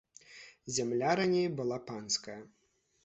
Зямля раней была панская.